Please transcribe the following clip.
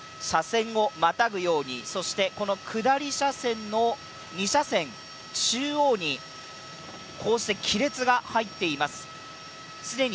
車線をまたぐように、そしてこの下り車線の２車線、中央にこうして亀裂が入っています。